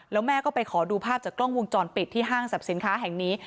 แล้วแม่ก็ไปขอดูภาพจากกล้องวงจรปิดที่ห้างสรรพสินค้าแห่งนี้